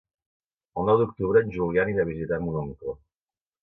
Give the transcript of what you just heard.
El nou d'octubre en Julià anirà a visitar mon oncle.